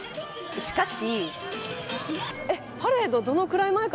しかし。